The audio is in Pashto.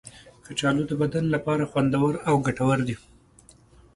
کچالو د بدن لپاره خوندور او ګټور دی.